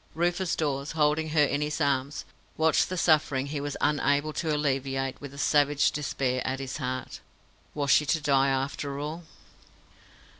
Rufus Dawes, holding her in his arms, watched the suffering he was unable to alleviate with a savage despair at his heart. Was she to die after all?